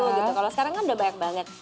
nah sekarang kan udah banyak banget